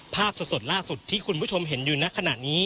ภาพสดล่าสุดที่คุณผู้ชมเห็นอยู่ในขณะนี้